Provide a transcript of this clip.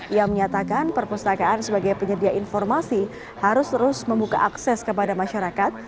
ia menyatakan perpustakaan sebagai penyedia informasi harus terus membuka akses kepada masyarakat